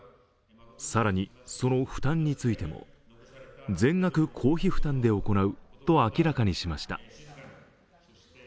更に、その負担についても全額公費負担で行うと明らかにしました。